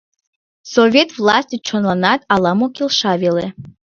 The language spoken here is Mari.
Совет властет чонланат ала-мо келша веле.